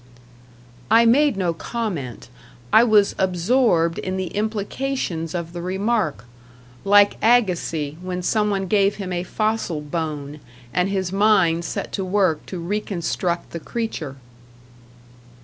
I made no comment; I was absorbed in the implications of the remark like Agassiz when some one gave him a fossil bone, and his mind set to work to reconstruct the creature.